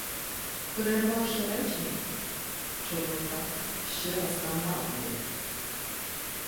Перервавши речення, Чорнота ще раз "камраднув".